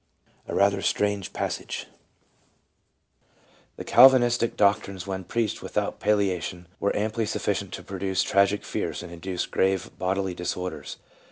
A rather strange passage ! The Calvinistic doctrines when preached without palliation were amply sufficient to produce tragic fears and induce grave bodily disorders.